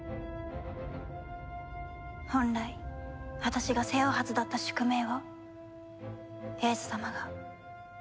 本来私が背負うはずだった宿命を英寿様が。